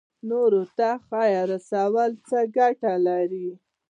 نورو ته خیر رسول څه ګټه لري؟